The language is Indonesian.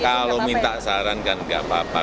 kalau minta saran kan nggak apa apa